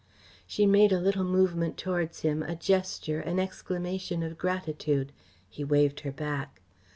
She made a little movement towards him, a gesture, an exclamation of gratitude. He waved her back.